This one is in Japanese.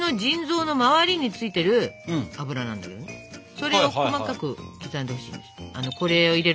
それを細かく刻んでほしいんですよ。